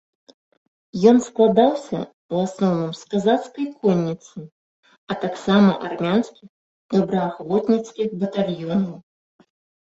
Ён складаўся ў асноўным з казацкай конніцы, а таксама армянскіх добраахвотніцкіх батальёнаў.